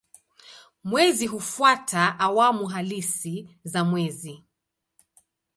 Mwezi hufuata awamu halisi za mwezi.